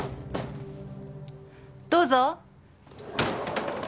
どうぞ。